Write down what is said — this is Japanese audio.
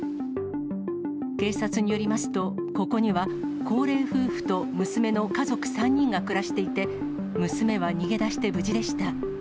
警察によりますと、ここには高齢夫婦と娘の家族３人が暮らしていて、娘は逃げ出して無事でした。